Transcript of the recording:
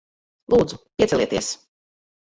Lūdzu, piecelieties.